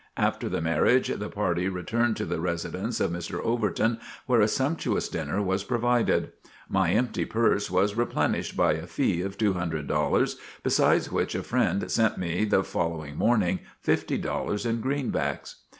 After the marriage, the party returned to the residence of Mr. Overton where a sumptuous dinner was provided. My empty purse was replenished by a fee of two hundred dollars, besides which a friend sent me, the following morning, fifty dollars in greenbacks.